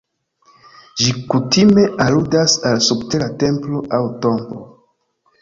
Ĝi kutime aludas al subtera templo aŭ tombo.